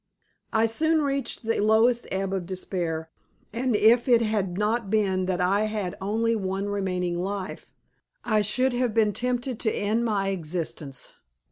I soon reached the lowest ebb of despair and if it had not been that I had only one remaining life, I should have been tempted to end my existence.